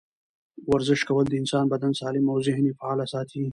ورزش کول د انسان بدن سالم او ذهن یې فعاله ساتي.